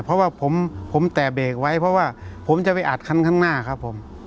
เพราะว่าผมแต่เบรกไว้เพราะว่าผมจะไปอัดคันข้างหน้าครับผม